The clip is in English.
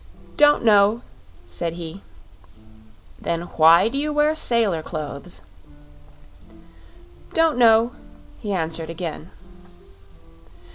"Don't know," said he. "Then why do you wear sailor clothes?" "Don't know," he answered, again.